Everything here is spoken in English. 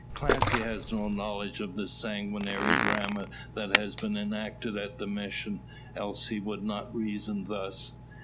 Clancy has no knowledge of the sanguinary drama that has been enacted at the Mission, else he would not reason thus.